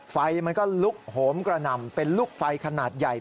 ไฟมันก็ลุกโหมกระหน่ำเป็นลูกไฟขนาดใหญ่